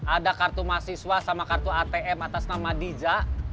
ada kartu mahasiswa sama kartu atm atas nama diza